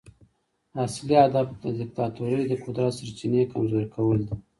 اصلي هدف د دیکتاتورۍ د قدرت سرچینې کمزوري کول دي.